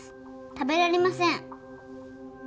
食べられません。